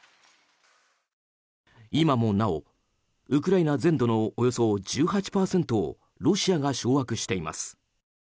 今もなお、ウクライナ全土のおよそ１８％をロシアが掌握しています。